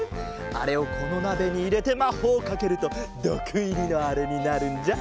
あれをこのなべにいれてまほうをかけるとどくいりのあれになるんじゃ。